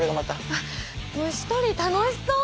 あっ虫とり楽しそう！